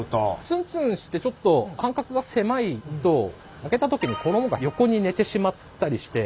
ツンツンしてちょっと間隔が狭いと揚げた時に衣が横に寝てしまったりして。